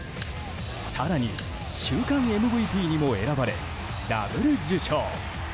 更に、週間ＭＶＰにも選ばれダブル受賞。